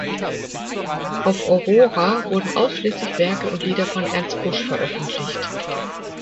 Auf Aurora wurden ausschließlich Werke und Lieder von Ernst Busch veröffentlicht.